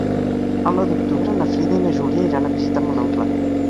El nou d'octubre na Frida i na Júlia iran a visitar mon oncle.